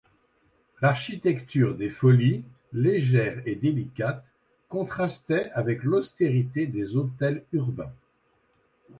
L'architecture des folies, légère et délicate, contrastait avec l'austérité des hôtels urbains.